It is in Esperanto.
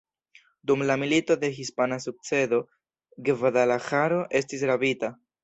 Dum la Milito de hispana sukcedo Gvadalaĥaro estis rabita.